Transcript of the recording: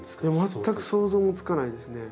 全く想像もつかないですね。